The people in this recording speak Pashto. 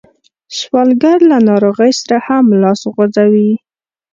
سوالګر له ناروغۍ سره هم لاس غځوي